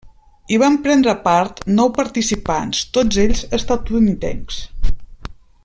Hi van prendre part nou participants, tots ells estatunidencs.